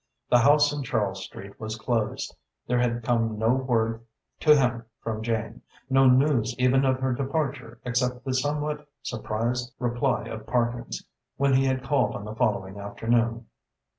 The house in Charles Street was closed. There had come no word to him from Jane, no news even of her departure except the somewhat surprised reply of Parkins, when he had called on the following afternoon.